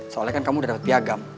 soalnya kan kamu udah dapet piagam